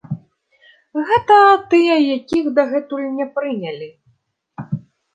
Гэта тыя, якіх дагэтуль не прынялі.